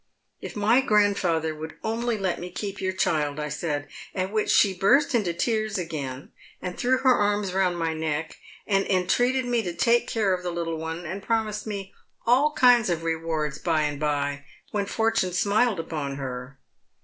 _*'' If my grandfather would only let me keep your child !' I said, at which she burst into tears again, and threw her arms round my neck, and entreated me to take care of the little one, and promised me all kinds of rewards by and bye, when fortune timiled upon her.